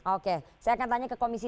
oke saya akan tanya ke komisi